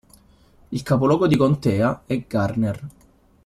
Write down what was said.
Il capoluogo di contea è Garner.